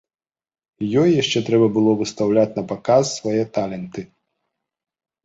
Ёй яшчэ трэба было выстаўляць напаказ свае таленты.